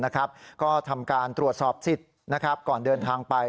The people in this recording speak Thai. ก็ทำการตรวจสอบสิทธิ์ก่อนเดินทางไป